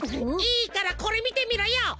いいからこれみてみろよ！